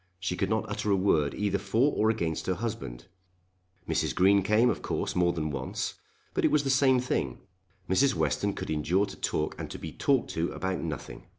She could not utter a word either for or against her husband. Mrs. Green came, of course, more than once; but it was the same thing. Mrs. Western could endure to talk and to be talked to about nothing.